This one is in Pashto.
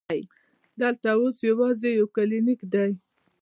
دلته اوس یوازې یو کلینک دی.